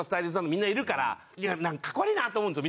みんないるからカッコ悪いなと思うんですよ。